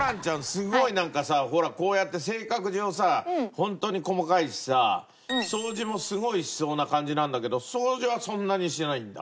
すごいなんかさこうやって性格上さ本当に細かいしさ掃除もすごいしそうな感じなんだけど掃除はそんなにしないんだ？